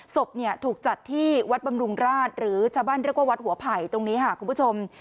ศพถูกจัดที่วัดบำรุงราชหรือชะบั้นเรียกว่าวัดหัวไผ่ตรงนี้ค่ะ